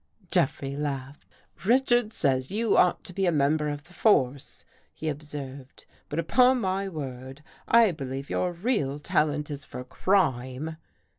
Jeffrey laughed. " Richards says you ought to be a member of the force," he observed, " but up on my word, I believe your real talent is for crime."